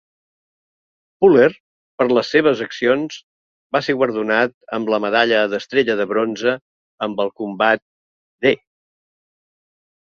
Puller, per les seves accions, va ser guardonat amb la Medalla d'estrella de bronze amb el combat "V".